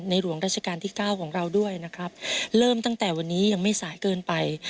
หลวงราชการที่เก้าของเราด้วยนะครับเริ่มตั้งแต่วันนี้ยังไม่สายเกินไป